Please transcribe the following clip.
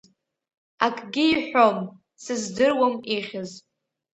Акгьы иҳәом, сыздыруам ихьыз.